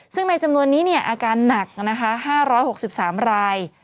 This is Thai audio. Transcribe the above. ซึ่งในจำนวนนี้อาการหนักนะคะ๕๖๓ราย